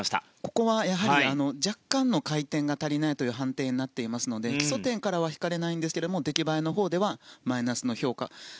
ここは若干の回転が足りないという判定になっていますので基礎点からは引かれないんですが出来栄えのほうでマイナス評価。